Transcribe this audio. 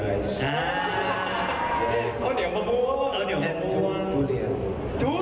คือตุ๊กตัว